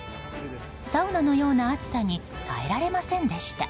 サウナのような暑さに耐えられませんでした。